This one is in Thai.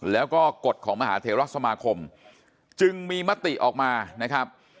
แล้วก็กฎของมหาเทราสมาคมจึงมีมติออกมานะครับ